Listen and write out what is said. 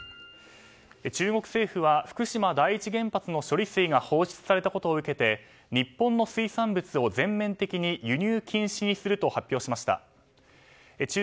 中国政府は福島第一原発の処理水が放出されたことを受けて日本の水産物を全面的に輸入禁止にすると発表しました。